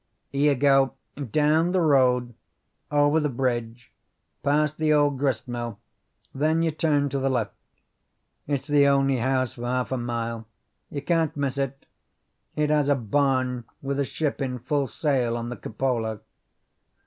"You go down the road over the bridge past the old grist mill, then you turn to the left; it's the only house for half a mile. You can't miss it. It has a barn with a ship in full sail on the cupola."